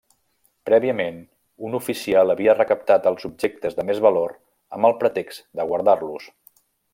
Prèviament, un oficial havia recaptat els objectes de més valor amb el pretext de guardar-los.